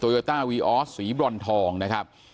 โยต้าวีออสสีบรอนทองนะครับ